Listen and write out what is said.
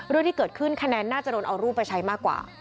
เรื่องที่เกิดขึ้นคะแนนน่าจะโดนเอารูปไปใช้มากกว่า